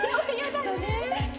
だね！